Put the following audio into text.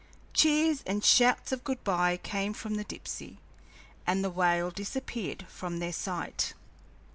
Cheers and shouts of good bye came from the Dipsey, and the whale disappeared from their sight.